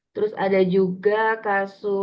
terus ada juga kasus suami yang berada di jawa tenggara